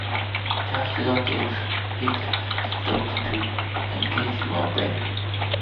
Just don't expect "The Rock" to engage your brain.